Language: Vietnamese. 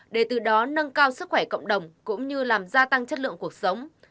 để từ đó nâng cao sức khỏe cộng đồng cũng như làm gia tăng chất lượng cuộc sống